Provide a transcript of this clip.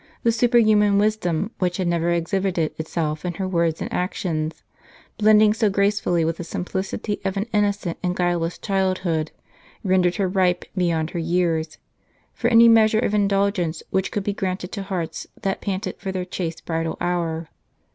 The superhuman wisdom which had ever exhibited itself in her words and actions, blending so gracefully with the simplicity of an innocent and guileless childhood, rendered her ripe, beyond her years, for any measure of indulgence which could be granted, to hearts that panted for their chaste bridal hour.